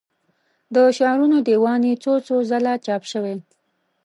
د شعرونو دیوان یې څو څو ځله چاپ شوی.